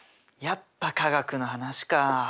やっぱ科学の話か。